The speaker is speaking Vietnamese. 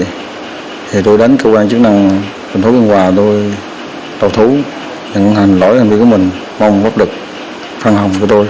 thì tôi đến cơ quan chức năng tp biên hòa tôi đầu thú nhận hành lỗi hành vi của mình mong bắt được thăng hồng của tôi